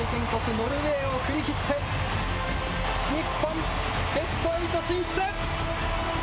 ノルウェーを振り切って日本ベスト８進出！